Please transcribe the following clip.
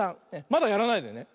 まだやらないでね。